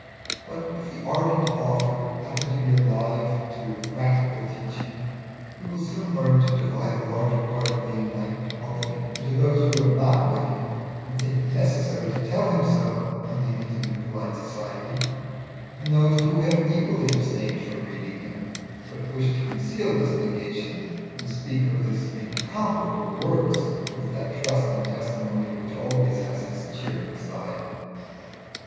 But if the ardent author happen to be alive to practical teaching he will soon learn to divide the larger part of the enlightened public into those who have not read him and think it necessary to tell him so when they meet him in polite society, and those who have equally abstained from reading him, but wish to conceal this negation and speak of his "incomparable works" with that trust in testimony which always has its cheering side.